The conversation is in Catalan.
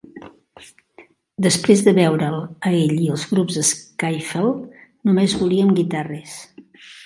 Després de veure'l a ell i als grups de skiffle, només volíem guitarres.